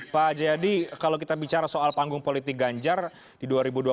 pak jayadi kalau kita bicara soal panggung politik ganjar di dua ribu dua puluh